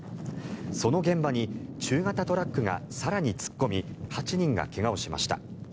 その現場に中型トラックが更に突っ込み８人が怪我をしました。